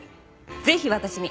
ぜひ私に！